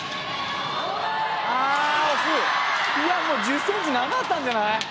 もう１０ｃｍなかったんじゃない？